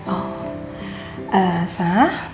oh eh sah